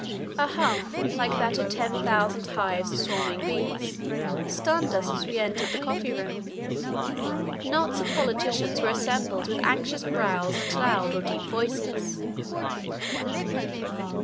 An hum, like that of ten thousand hives of swarming bees, stunned us as we entered the coffee room. Knots of politicians were assembled with anxious brows and loud or deep voices.